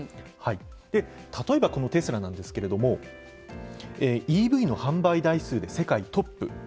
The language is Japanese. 例えばこのテスラなんですけれどもＥＶの販売台数で世界トップ。